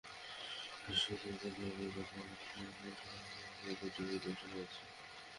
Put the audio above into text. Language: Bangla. সেই সূত্র ধরে বিদ্যুৎ মন্ত্রণালয়ের সঙ্গে কোম্পানি দুটির একাধিক বৈঠক হয়েছে।